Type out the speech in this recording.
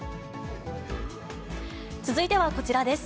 続いてはこちらです。